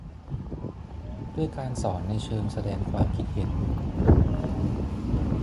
ด้วยการสอนในเชิงแสดงความคิดเห็น